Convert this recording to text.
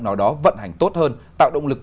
nào đó vận hành tốt hơn tạo động lực